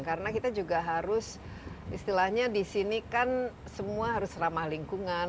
karena kita juga harus istilahnya di sini kan semua harus ramah lingkungan